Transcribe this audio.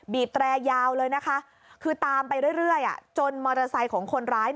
แตรยาวเลยนะคะคือตามไปเรื่อยจนมอเตอร์ไซค์ของคนร้าย